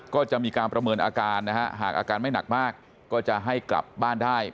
ก็จะมีการประเมินอาการนะฮะหากอาการไม่หนักมากก็จะให้กลับบ้านได้